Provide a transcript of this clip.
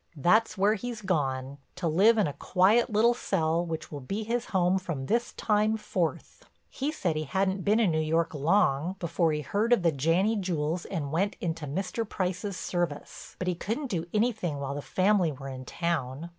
That's where he's gone, to live in a quiet little cell which will be his home from this time forth. He said he hadn't been in New York long before he heard of the Janney jewels and went into Mr. Price's service. But he couldn't do anything while the family were in town.